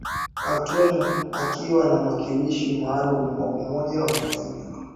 Khartoum akiwa na mwakilishi maalum wa umoja wa mataifa